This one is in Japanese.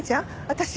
私。